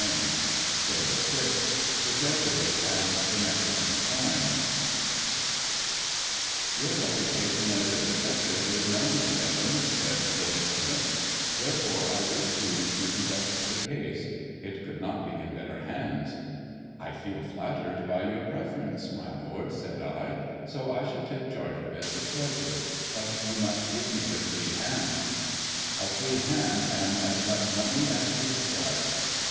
ii' •••^ I ■ I THE JESUIT AND THE MEXICAN COIN '^OXJK reputation as a detective is known in Devon/' i said Lord Tormouth, "therefore I wish you to conduct the case. It could not be in better hands." "I feel flattered by your preference, my lord," said I, so I shall take charge of it with pleasure. But you must give me a free hand." " A free hand, and as much money as you require.